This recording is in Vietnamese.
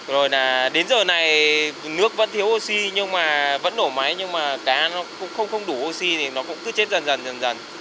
rồi là đến giờ này nước vẫn thiếu oxy nhưng mà vẫn đổ máy nhưng mà cá nó cũng không đủ oxy thì nó cũng cứ chết dần dần dần dần